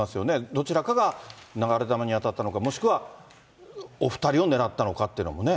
どちらかが流れ弾に当たったのか、もしくは、お２人を狙ったのかっていうのもね。